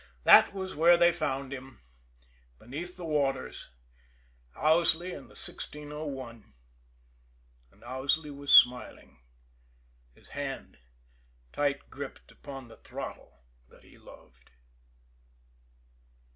That was where they found them, beneath the waters, Owsley and the 1601 and Owsley was smiling, his hand tight gripped upon the throttle that he loved.